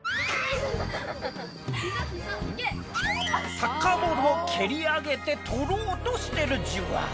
サッカーボールを蹴り上げて取ろうとしてるじわ。